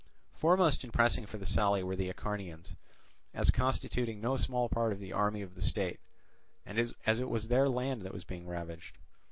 Foremost in pressing for the sally were the Acharnians, as constituting no small part of the army of the state, and as it was their land that was being ravaged.